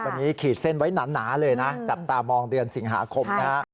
วันนี้ขีดเส้นไว้หนาเลยนะจับตามองเดือนสิงหาคมนะฮะ